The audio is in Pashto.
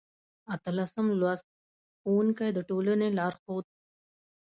اتلسم لوست: ښوونکی د ټولنې لارښود